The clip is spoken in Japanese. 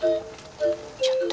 ちょっと。